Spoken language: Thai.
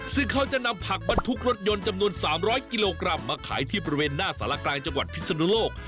ซึ่งเขาจะนำผักบรรทุกรถยนต์จำนวน๓๐๐กิโลกรัมมาขายที่บริเวณหน้าสารกลางจังหวัดพิศนุโลก